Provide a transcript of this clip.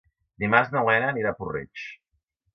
Dimarts na Lena anirà a Puig-reig.